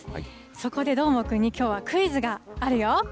そこでどーもくんにきょうはクイズがあるよ。